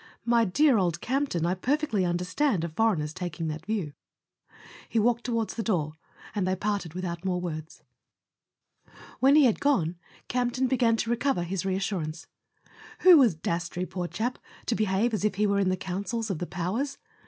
"My dear old Campton, I perfectly understand a foreigner's taking that view. . He walked toward the door and they parted without more words. When he had gone Campton began to recover his reassurance. Who was Dastrey, poor chap, to behave as if he were in the councils of the powers